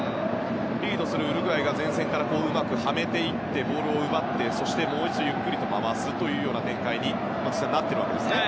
リードするウルグアイが前線からうまくはめていってボールを奪ってそしてもう一度ゆっくり回す展開になっているわけですね。